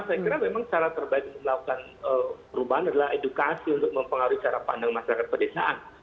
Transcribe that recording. saya kira memang cara terbaik untuk melakukan perubahan adalah edukasi untuk mempengaruhi cara pandang masyarakat pedesaan